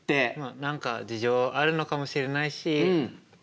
何か事情あるのかもしれないしま